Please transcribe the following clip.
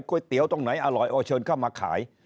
เตี๋ยวตรงไหนอร่อยเอาเชิญเข้ามาขาย